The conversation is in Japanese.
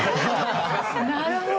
なるほど！